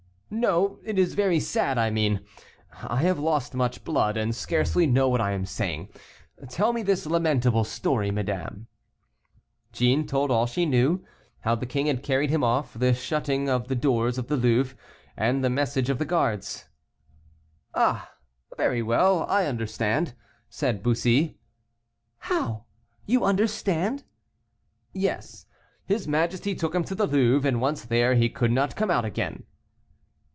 "No, it is very sad, I mean. I have lost much blood, and scarcely know what I am saying. Tell me this lamentable story, madame." Jeanne told all she knew; how the king had carried him off, the shutting of the doors of the Louvre, and the message of the guards. "Ah! very well, I understand," said Bussy. "How! you understand." "Yes; his majesty took him to the Louvre and once there he could not come out again."